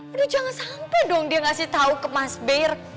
aduh jangan sampai dong dia ngasih tau ke mas bar